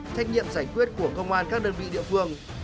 trách nhiệm giải quyết của công an các đơn vị địa phương